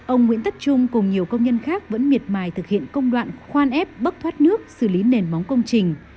ông nguyễn tất trung cùng nhiều công nhân khác vẫn miệt mài thực hiện công đoạn khoan ép bất thoát nước xử lý nền móng công trình